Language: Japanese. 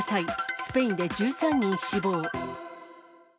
スペインで１３人死亡。